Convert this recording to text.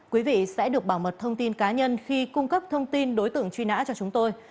quý vị sẽ được bảo mật thông tin cá nhân khi cung cấp thông tin đối tượng truy nã cho chúng tôi